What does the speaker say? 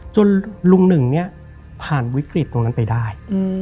จนลุง๑ผ่านวิกฤติตรงนั้นไปได้